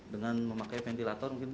dengan memakai ventilator